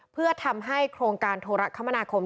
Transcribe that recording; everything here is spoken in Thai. เพื่อทำให้โครงการโทรคมนาคม